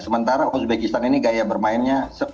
sementara uzbekistan ini gaya bermainnya